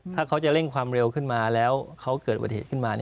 ถ้าเขาจะเร่งความเร็วขึ้นมาแล้วเขาเกิดอุบัติเหตุขึ้นมา